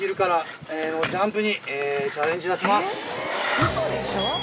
ウソでしょ！？